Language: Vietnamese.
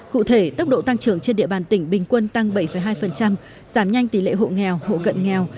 cụ thể tốc độ tăng trưởng trên địa bàn tỉnh bình quân tăng bảy hai giảm nhanh tỷ lệ hộ nghèo hộ cận nghèo